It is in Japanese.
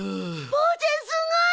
ボーちゃんすごい！